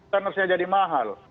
ternasanya jadi mahal